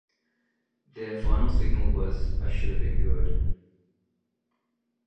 Their final single was "I Shoulda Been Good".